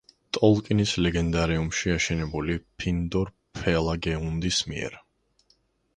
ტოლკინის ლეგენდარიუმში, აშენებული ფინროდ ფელაგუნდის მიერ.